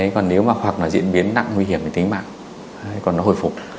còn nếu mà hoặc là diễn biến nặng nguy hiểm đến tính mạng còn nó hồi phục